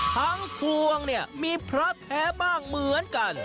พวงเนี่ยมีพระแท้บ้างเหมือนกัน